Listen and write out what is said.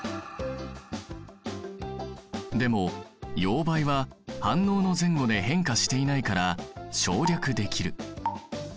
でも溶媒は反応の前後で変化していないから省略できる。